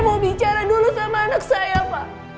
mau bicara dulu sama anak saya pak